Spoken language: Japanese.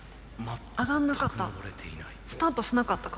上がんなかった。